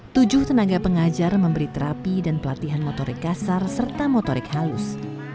tujuh tenaga pengajar memberi terapi dan pelatihan motorik kasar serta motorik halus